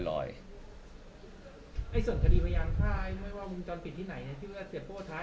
ส่วนคดีพยานพลังที่ไหน